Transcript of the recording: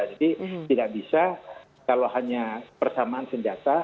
jadi tidak bisa kalau hanya persamaan senjata